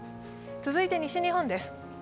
続いて西日本です。